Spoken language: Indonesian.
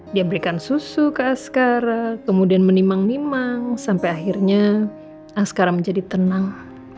dia berikan susu ke askara kemudian menimang nimang sampai akhirnya askara menjadi tenang